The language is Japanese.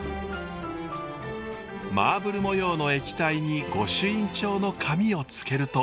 マーブル模様の液体に御朱印帳の紙をつけると。